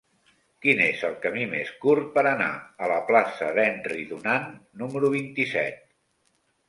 Quin és el camí més curt per anar a la plaça d'Henry Dunant número vint-i-set?